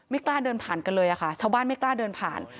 กล้าเดินผ่านกันเลยค่ะชาวบ้านไม่กล้าเดินผ่าน